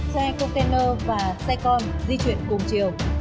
xe container và xe con di chuyển cùng chiều